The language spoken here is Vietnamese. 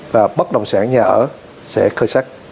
và bất đồng sản nhà ở sẽ khơi sắc